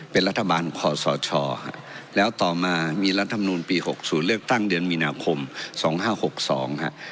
เป็นรัฐบาลคอสชแล้วต่อมามีรัฐมนุนปีหกศูนย์เลือกตั้งเดือนมีนาคมสองห้าหกสอง